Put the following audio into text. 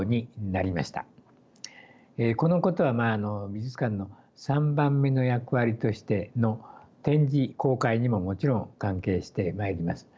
このことは美術館の３番目の役割としての展示公開にももちろん関係してまいります。